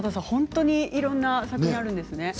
本当にいろいろな作品があるんですね。